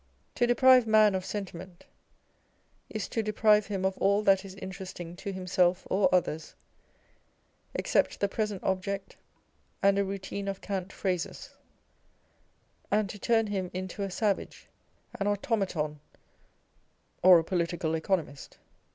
To deprive man of sentiment, is to deprive him of all that is interesting to himself or others, except the present object and a routine of cant phrases, and to turn him into a savage, an automaton, or a Political Economist.